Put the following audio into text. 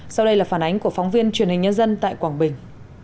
sau đây là phản ánh của phóng viên truyền hình nhân dân tại quảng bình